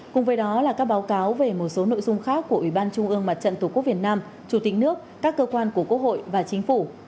cùng với đó là các báo cáo về một số nội dung khác của ủy ban trung ương mặt trận tổ quốc việt nam chủ tịch nước các cơ quan của quốc hội và chính phủ